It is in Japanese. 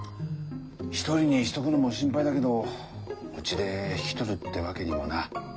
一人にしとくのも心配だけどうちで引き取るってわけにもな。